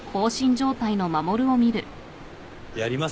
やります。